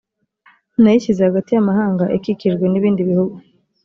nayishyize hagati y amahanga ikikijwe n ibindi bihugu